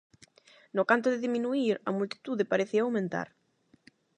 No canto de diminuír, a multitude parecía aumentar.